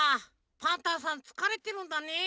パンタンさんつかれてるんだね。